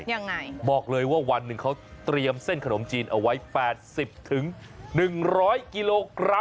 ยังไงบอกเลยว่าวันหนึ่งเขาเตรียมเส้นขนมจีนเอาไว้๘๐๑๐๐กิโลกรัม